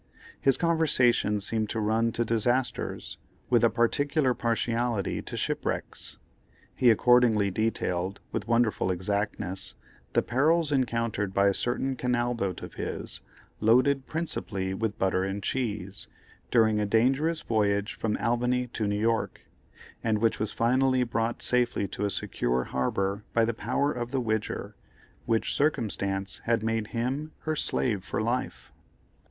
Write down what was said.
His conversation seemed to run to disasters, with a particular partiality to shipwrecks. He accordingly detailed, with wonderful exactness, the perils encountered by a certain canal boat of his, "loaded principally with butter and cheese," during a dangerous voyage from Albany to New York, and which was finally brought safely to a secure harbor by the power of the Widger, which circumstance had made him her slave for life.